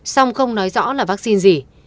xong không nói rõ là vaccine gì